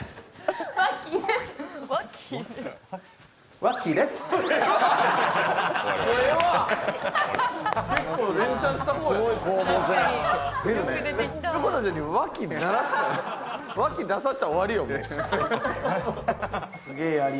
ワッキー出させたら終わりよ。